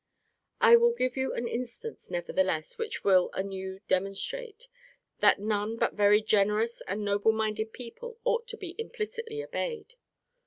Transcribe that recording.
I will give you an instance, nevertheless, which will a new demonstrate, that none but very generous and noble minded people ought to be implicitly obeyed.